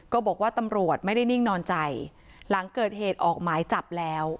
ก็บอกว่าตำรวจไม่ได้นิ่งนอนใจหลังเกิดเหตุออกหมายจับแล้ว